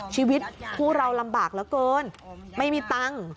ชีวิตผู้เราลำบากเหลือเกินไม่มีตังค์